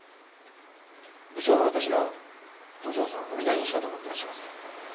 部長はわたしがお嬢さんを踏み台にしたと思ってらっしゃいますね？